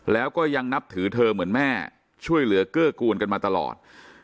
แล้วก็ยังนับถือเธอเหมือนแม่ช่วยเหลือเกื้อกูลกันมาตลอด